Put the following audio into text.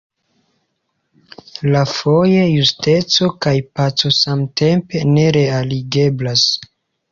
Iafoje justeco kaj paco samtempe ne realigeblas.